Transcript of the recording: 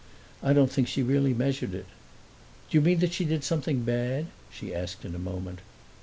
I don't think she really measured it. "Do you mean that she did something bad?" she asked in a moment.